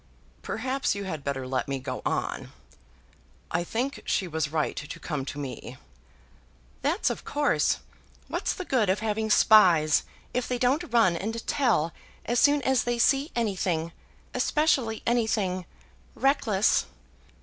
"Perhaps you had better let me go on. I think she was right to come to me." "That's of course. What's the good of having spies, if they don't run and tell as soon as they see anything, especially anything reckless."